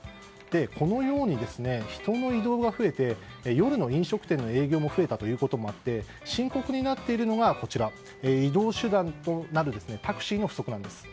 このように、人の移動が増えて夜の飲食店の営業も増えたということもあって深刻になっているのが移動手段となるタクシーの不足なんです。